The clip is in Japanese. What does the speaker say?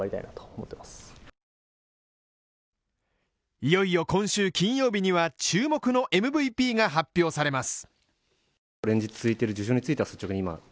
いよいよ今週金曜日には注目のＭＶＰが発表されます。